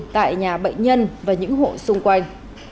tại nhà bệnh nhân và những hộ xung quanh